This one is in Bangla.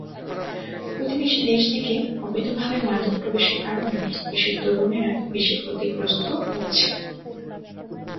প্রতিবেশী দেশ থেকে অবৈধভাবে মাদক প্রবেশের কারণে দেশের তরুণেরা বেশি ক্ষতিগ্রস্ত হচ্ছে।